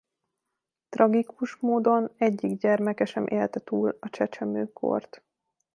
Tragikus módon egyik gyermeke sem élte túl a csecsemőkort.